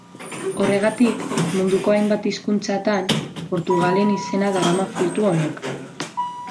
Horregatik munduko hainbat hizkuntzatan Portugalen izena darama fruitu honek.